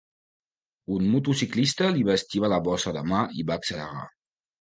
Un motociclista li va estibar la bossa de mà i va accelerar.